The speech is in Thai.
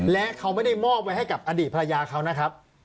และเขาไม่ได้มอบไว้ให้กับอดีตภรรยาเขานะครับ